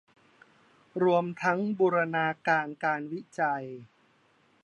รวมทั้งบูรณาการการวิจัย